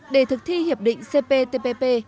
để thực thi hiệp định cptpp